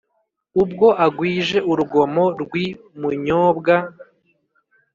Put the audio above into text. ubwo agwije urugomo rw'i munyobwa,